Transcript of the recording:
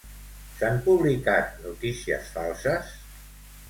S'han publicat notícies falses?